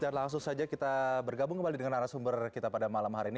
dan langsung saja kita bergabung kembali dengan aras sumber kita pada malam hari ini